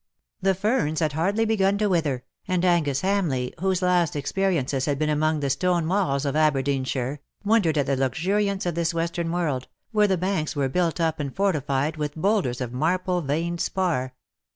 The ferns had hardly begun to wither_, and Angus Ham leigh;, whose last experiences had been among the stone walls of Aberdeenshire, wondered at the luxuriance of this western worlds where the banks were built up and fortified with boulders of marble veined spar.